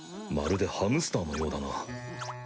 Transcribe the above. まるでハムスターのようだな